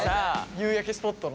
夕焼けスポットのね。